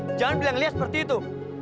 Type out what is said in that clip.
eh jangan bilang liat seperti itu